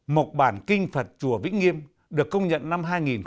mộc bản kinh phật chùa vĩnh nghiêm được công nhận năm hai nghìn một mươi